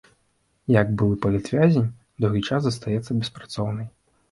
Як былы палітвязень доўгі час застаецца беспрацоўнай.